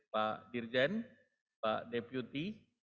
pak dirjen pak deputi